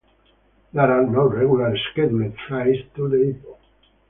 There are no regular scheduled flights to the airport.